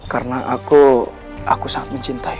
karena aku aku sangat mencintaimu